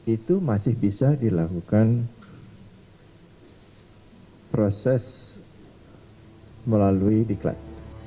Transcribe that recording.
itu masih bisa dilakukan proses melalui diklat